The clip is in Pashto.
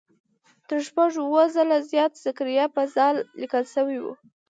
تر شپږ اووه ځله زیات زکریا په "ذ" لیکل شوی.